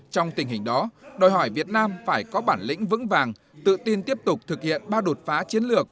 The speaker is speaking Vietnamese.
trong tình hình đó đòi hỏi việt nam phải có bản lĩnh vững vàng tự tin tiếp tục thực hiện ba đột phá chiến lược